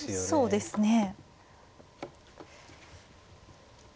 そうですね。